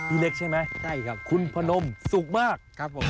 พี่เล็กใช่ไหมคุณพนมสุขมากครับผม